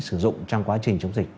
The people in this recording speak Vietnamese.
sử dụng trong quá trình chống dịch